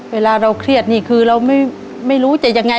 เวลาเราเครียดนี่คือเราไม่รู้จะยังไง